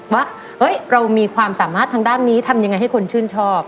ว่าเรามีความสามารถทางด้านนี้ทำยังไงให้คนชื่นชอบ